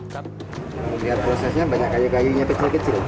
kalau lihat prosesnya banyak kayu kayunya kecil kecil